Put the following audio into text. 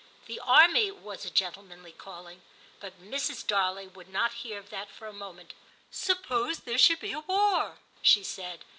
The army was a gentlemanly calling, but Mrs. Darley would not hear of that for a moment. 'Suppose there should be a war/ she said.